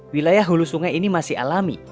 wilayah hulu sungai ini masih alami